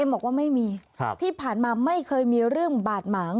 บอกว่าไม่มีที่ผ่านมาไม่เคยมีเรื่องบาดหมาง